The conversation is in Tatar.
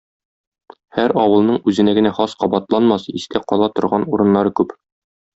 Һәр авылның үзенә генә хас кабатланмас, истә кала торган урыннары күп.